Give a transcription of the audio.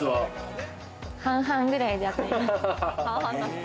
半々くらいで当たります。